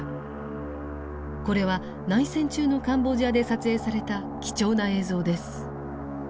これは内戦中のカンボジアで撮影された貴重な映像です。